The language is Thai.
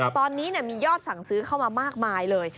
ตอนนี้มียอดสั่งซื้อเข้ามามากมายเลย